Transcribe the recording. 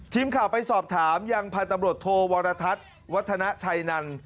ทีมข่าวไปสอบถามยังพันธุ์ตำรวจโทวรทัศน์วัฒนาชัยนันต์